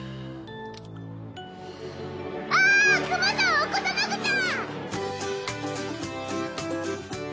くまさん起こさなくちゃ！